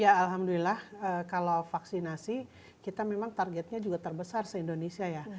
ya alhamdulillah kalau vaksinasi kita memang targetnya juga terbesar se indonesia ya